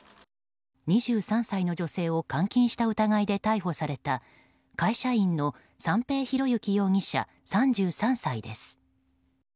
２３歳の女性を監禁した疑いで逮捕された会社員の三瓶博幸容疑者３３歳です。